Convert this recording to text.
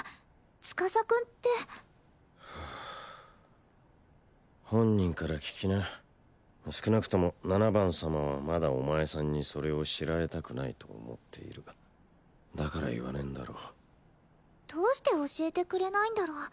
つかさくんってふう本人から聞きな少なくとも七番様はまだお前さんにそれを知られたくないと思っているだから言わねえんだろどうして教えてくれないんだろう？